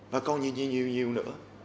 và còn nhiều nhiều nhiều nữa